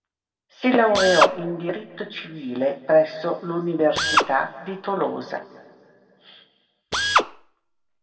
Si laureò in diritto civile presso l'Università di Tolosa.